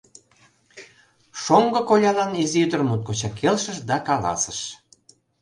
Шоҥго колялан изи ӱдыр моткочак келшыш да каласыш: